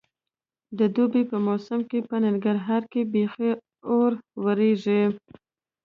د دوبي په موسم کې په ننګرهار کې بیخي اور ورېږي.